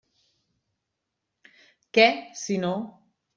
Què, si no?